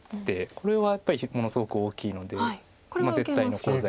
これはやっぱりものすごく大きいので絶対のコウ材。